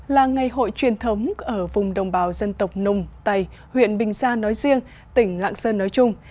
là ngày hội truyền thống ở vùng đồng bào dân tộc nùng tày huyện bình gia nói riêng tỉnh lạng sơn nói chung